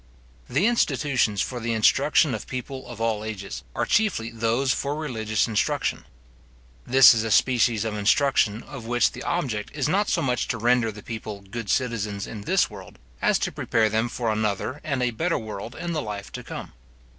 The institutions for the instruction of people of all ages, are chiefly those for religious instruction. This is a species of instruction, of which the object is not so much to render the people good citizens in this world, as to prepare them for another and a better world in the life to come.